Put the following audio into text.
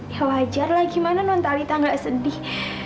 ya wajar lah gimana nontalitha nggak sedih